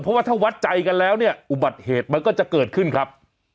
เพราะว่าถ้าวัดใจกันแล้วเนี่ยอุบัติเหตุมันก็จะเกิดขึ้นครับ